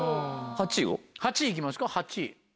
８位行きますか８位。